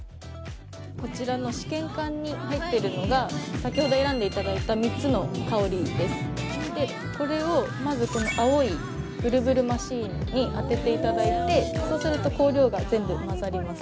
こちらの試験管に入っているのが先ほど選んでいただいた３つの香りですでこれをまずこの青いぶるぶるマシーンに当てていただいてそうすると香料が全部混ざります